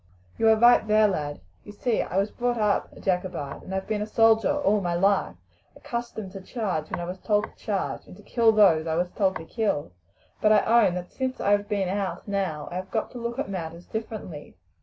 "You are right there, lad. You see I was brought up a Jacobite, and I have been a soldier all my life, accustomed to charge when I was told to charge and to kill those I was told to kill; but I own that since I have been out now I have got to look at matters differently.